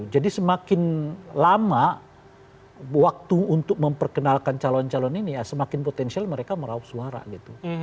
jadi semakin lama waktu untuk memperkenalkan calon calon ini ya semakin potensial mereka merauh suara gitu